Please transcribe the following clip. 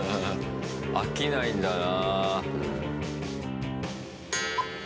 飽きないんだな。